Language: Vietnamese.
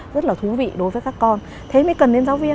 rất là thú vị đối với các con thế mới cần đến giáo viên